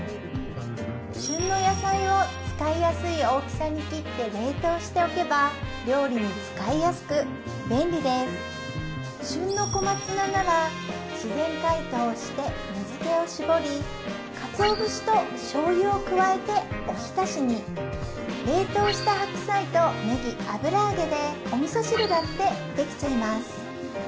旬の野菜を使いやすい大きさに切って冷凍しておけば料理に使いやすく便利です旬の小松菜なら自然解凍して水けを絞りかつお節と醤油を加えておひたしに冷凍した白菜とネギ油揚げでお味噌汁だってできちゃいます